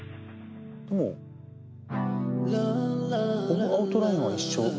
このアウトラインは一緒？